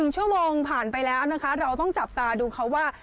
๑ชั่วโมงผ่านไปแล้วนะคะเราต้องจับตาดูเขาว่า